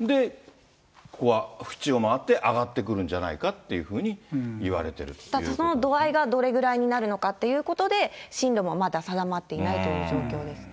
で、ここは縁を回って上がってくるんじゃないかというふうに言われてその度合いがどれぐらいになるのかっていうことで、進路もまだ定まっていないという状況ですね。